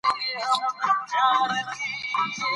زه له ملګرو سره بازۍ کوم.